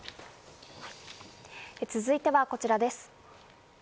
続いてはこちらです。